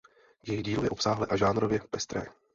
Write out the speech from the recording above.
Jejich dílo je obsáhlé a žánrově pestré.